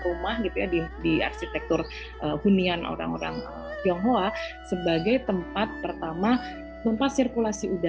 rumah gitu ya di arsitektur hunian orang orang tionghoa sebagai tempat pertama sirkulasi udara